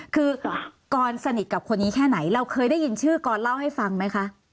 คือกรสนิทกับคนนี้แค่ไหนเราเคยได้ยินชื่อกรเล่าให้ฟังไหมคะ